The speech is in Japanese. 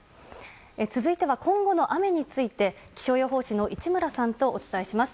続いては今後の雨について気象予報士の市村さんとお伝えします。